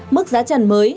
mức giá trần mới